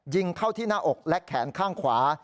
ยิงเข้าที่หน้าอกและแขนข้างขวา